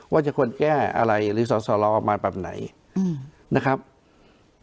ว่าจะคนแก้อะไรหรือสอเราเอามาแปลมไหน